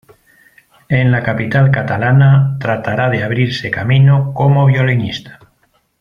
En la capital catalana tratará de abrirse camino como violinista.